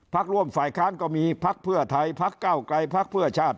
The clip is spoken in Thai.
ภักดิ์ร่วมฝ่ายค้านก็มีภักดิ์เพื่อไทยภักดิ์เก้าไกรภักดิ์เพื่อชาติ